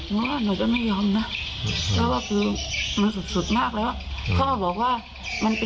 จะใช้มิดอันเนี้ยแทนตัวเองหนูสักครั้งหนูก็วิ่งออกมาพี่